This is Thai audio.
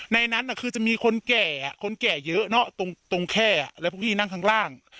ในนั้นคือจะมีคนแก่คนแก่เยอะเนอะตรงแค่แล้วพวกพี่นั่งข้างล่าง